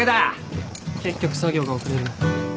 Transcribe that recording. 結局作業が遅れる。